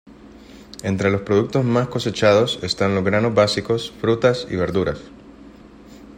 Entre los productos más cosechados están los granos básicos, frutas y verduras.